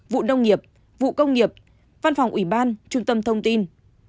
vụ nông nghiệp vụ công nghiệp văn phòng uban trung tâm thông tin